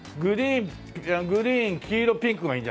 グリーン黄色ピンクがいいんじゃない？